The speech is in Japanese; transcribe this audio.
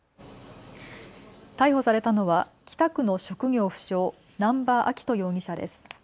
逮捕されたのは北区の職業不詳、南場章人容疑者です。